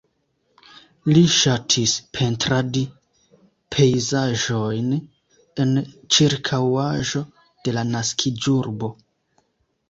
Li ŝatis pentradi pejzaĝojn en ĉirkaŭaĵo de la naskiĝurbo.